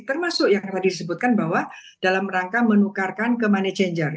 termasuk yang tadi disebutkan bahwa dalam rangka menukarkan ke money changer